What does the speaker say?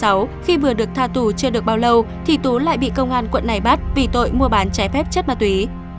năm hai nghìn một mươi sáu khi vừa được tha tù chưa được bao lâu thì tú lại bị công an quận này bắt vì tội mua bán trái phép chất ma túy